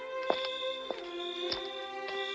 ketika kita berdua berdua bersama